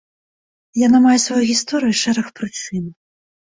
Яна мае сваю гісторыю і шэраг прычын.